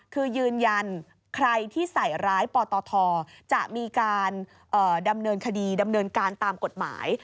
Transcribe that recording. คือยืนยันใครที่ใส่ร้ายปตทจะมีการดำเนินคดีดำเนินการตามกฎหมาย